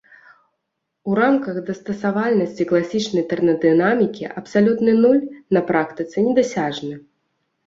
У рамках дастасавальнасці класічнай тэрмадынамікі абсалютны нуль на практыцы недасяжны.